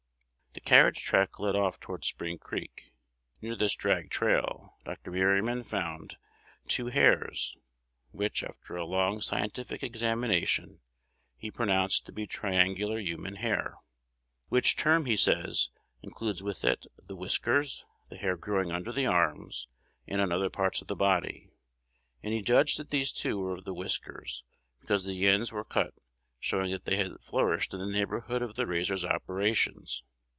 The carriage track led off toward Spring Creek. Near this drag trail Dr. Merryman found two hairs, which, after a long scientific examination, he pronounced to be triangular human hair, which term, he says, includes within it the whiskers, the hair growing under the arms, and on other parts of the body; and he judged that these two were of the whiskers, because the ends were cut, showing that they had flourished in the neighborhood of the razor's operations.